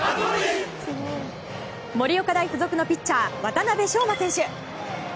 盛岡大付属のピッチャー渡邊翔真選手。